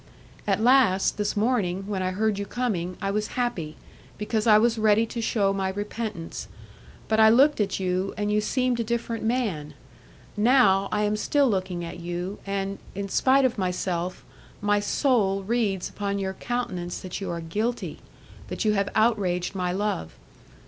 At last, this morning, when I heard you coming, I was happy, because I was ready to shew my repentance, but I looked at you, and you seemed a different man. Now, I am still looking at you, and, in spite of myself, my soul reads upon your countenance that you are guilty, that you have outraged my love.